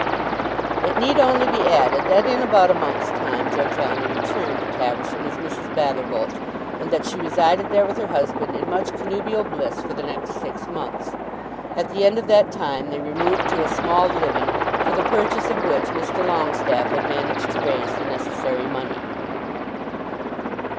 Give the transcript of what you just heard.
It need only be added that in about a month's time Georgiana returned to Caversham as Mrs. Batherbolt, and that she resided there with her husband in much connubial bliss for the next six months. At the end of that time they removed to a small living, for the purchase of which Mr. Longestaffe had managed to raise the necessary money.